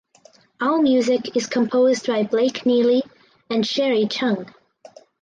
All music is composed by Blake Neely and Sherri Chung.